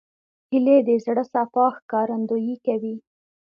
هیلۍ د زړه صفا ښکارندویي کوي